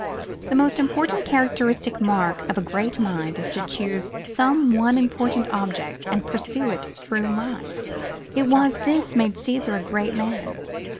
The most characteristic mark of a great mind is to choose some one important object, and pursue it through life. It was this made Cæsar a great man.